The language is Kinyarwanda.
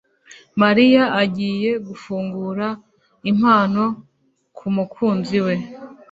Mariya agiye gufungura impano kumukunzi we.